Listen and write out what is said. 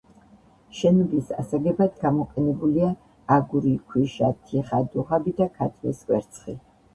შენობის ასაგებად გამოყენებულია, აგური, ქვიშა, თიხა, დუღაბი და ქათმის კვერცხი.